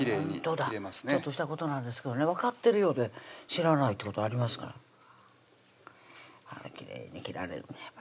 ちょっとしたことなんですけどね分かってるようで知らないってことありますからきれいに切られるね